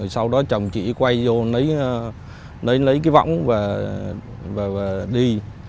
sau đó chồng chị quay vô lấy cái võng và đi